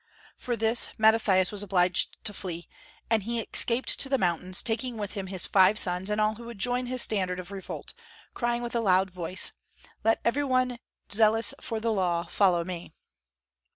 For this, Mattathias was obliged to flee, and he escaped to the mountains, taking with him his five sons and all who would join his standard of revolt, crying with a loud voice, "Let every one zealous for the Law follow me!"